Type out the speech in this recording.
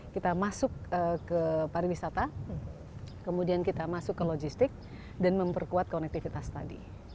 kita masuk ke pariwisata kemudian kita masuk ke logistik dan memperkuat konektivitas tadi